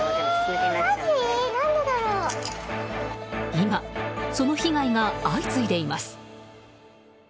今、その被害が相次いでいます。